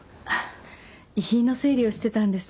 遺品の整理をしてたんです。